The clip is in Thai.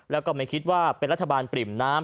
แล้วก็ไม่คิดว่าเป็นรัฐบาลปริ่มน้ำ